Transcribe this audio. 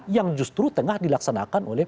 yang justru tengah dilaksanakan oleh